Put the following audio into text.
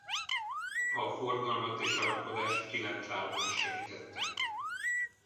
A forgalmat és a rakodást kilenc állomás segítette.